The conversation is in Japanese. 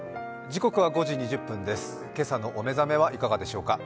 時刻は５時２０分です、今朝のお目覚めはいかがでしょうか。